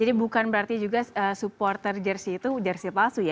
jadi bukan berarti juga supporter jersi itu jersi palsu ya